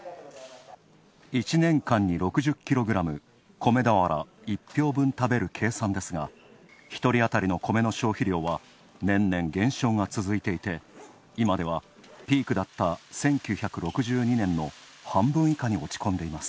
１年間に６１ｋｇ、米俵一俵分食べる計算ですが１人あたりの米の消費量は年々減少が続いて、今ではピークだった１９６２年の半分以下に落ち込んでいます。